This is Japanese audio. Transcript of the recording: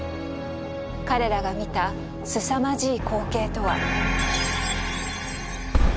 彼らが見たすさまじい光景とは。